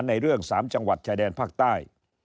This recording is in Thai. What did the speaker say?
ในเรื่อง๓จังหวัดชายแดนภาคใต้